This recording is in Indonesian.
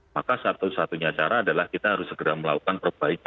maka satu satunya cara adalah kita harus segera melakukan perbaikan